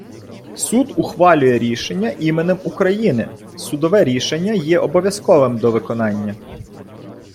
Суд ухвалює рішення іменем України. Судове рішення є обов’язковим до виконання.